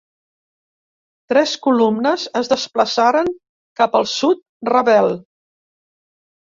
Tres columnes es desplaçaren cap al Sud rebel.